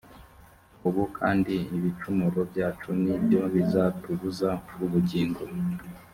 ubu kandi ibicumuro byacu ni byo bizatubuza ubugingo